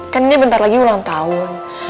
kan ini bentar lagi ulang tahun